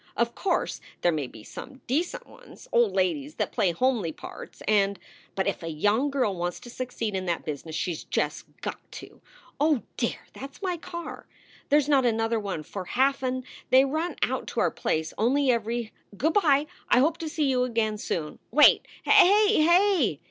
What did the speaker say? Of course there may be some decent ones, old ladies that play homely parts and but if a young girl wants to succeed in that business she s just got to Oh dear! that s my car. There snot another one for half an They run out to our place only every Good by. I hope to see you again soon. Wait! Hay! Hay!"